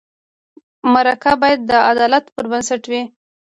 مرکه باید د عدالت پر بنسټ وي.